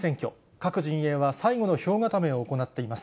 各陣営は最後の票固めを行っています。